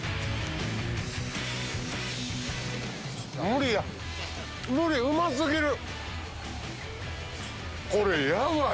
無理や無理うま過ぎる！